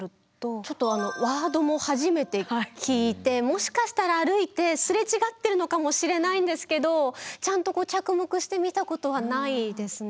ちょっとあのワードも初めて聞いてもしかしたら歩いて擦れ違ってるのかもしれないんですけどちゃんと着目して見たことはないですね。